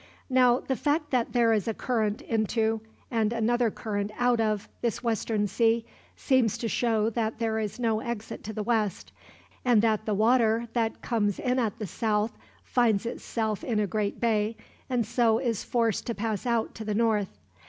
"Now the fact that there is a current into, and another current out of, this western sea, seems to show that there is no exit to the west; and that the water that comes in at the south finds itself in a great bay, and so is forced to pass out to the north.